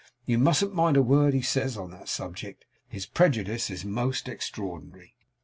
You mustn't mind a word he says on that subject. His prejudice is most extraordinary.